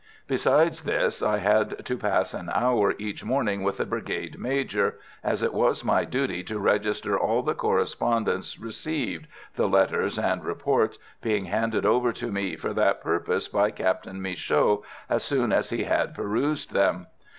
Besides this, I had to pass an hour each morning with the Brigade Major, as it was my duty to register all the correspondence received, the letters and reports being handed over to me for that purpose by Captain Michaud, as soon as he had perused them.